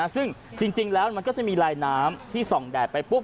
ซึ่งจริงแล้วมันก็จะมีลายน้ำที่ส่องแดดไปปุ๊